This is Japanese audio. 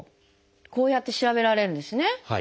こうやって調べられるんですね。